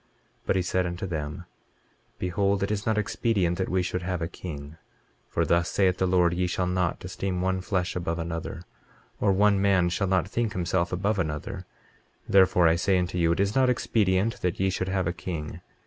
23:7 But he said unto them: Behold, it is not expedient that we should have a king; for thus saith the Lord: Ye shall not esteem one flesh above another, or one man shall not think himself above another; therefore I say unto you it is not expedient that ye should have a king.